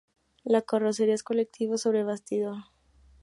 La carrocería es colectivo sobre bastidor.